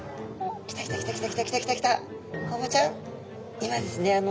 今ですね